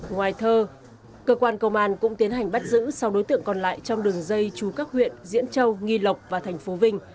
ngoài thơ cơ quan công an cũng tiến hành bắt giữ sau đối tượng còn lại trong đường dây chú các huyện diễn châu nghi lộc và thành phố vinh